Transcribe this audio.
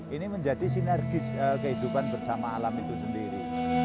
ini menjadi sinergis kehidupan bersama alam itu sendiri